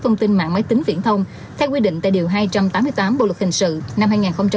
thông tin mạng máy tính viễn thông theo quy định tại điều hai trăm tám mươi tám bộ luật hình sự năm hai nghìn một mươi năm